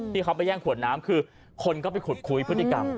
ที่เขาไปแย่งขวดน้ำคือคนก็ไปขุดคุยพฤติกรรม